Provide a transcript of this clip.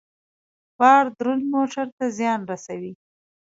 بار دروند موټر ته زیان رسوي.